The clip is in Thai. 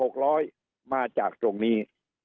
ตัวเลขหกร้อยมาจากตรงนี้